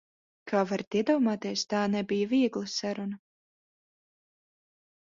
Kā varat iedomāties, tā nebija viegla saruna.